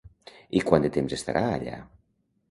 I quant de temps estarà allà?